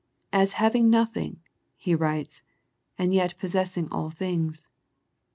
" As having nothing," he writes, " and yet possessing all things."